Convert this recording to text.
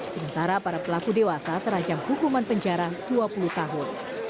sementara para pelaku dewasa terancam hukuman penjara dua puluh tahun